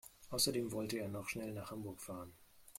Außerdem wollte er noch schnell nach Hamburg fahren